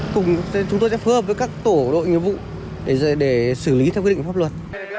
thì chúng tôi sẽ phương hợp với các tổ đội nhiệm vụ để xử lý theo quy định của pháp luật